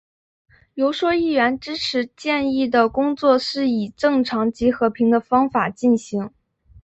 游说议员支持建议的工作是以正常及和平的方法进行。